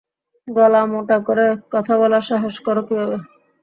গলা মোটা করে কথা বলার সাহস করো কীভাবে?